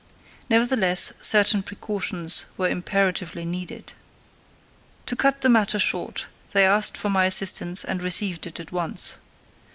Nevertheless, certain precautions were imperatively needed. To cut the matter short, they asked for my assistance and received it at once.